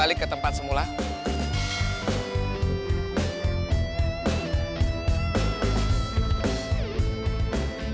boleh silahkan kembali ke stage